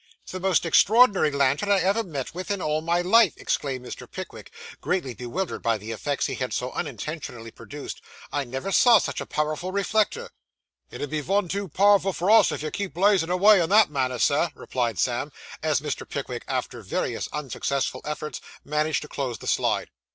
'It's the most extraordinary lantern I ever met with, in all my life!' exclaimed Mr. Pickwick, greatly bewildered by the effects he had so unintentionally produced. 'I never saw such a powerful reflector.' 'It'll be vun too powerful for us, if you keep blazin' avay in that manner, sir,' replied Sam, as Mr. Pickwick, after various unsuccessful efforts, managed to close the slide.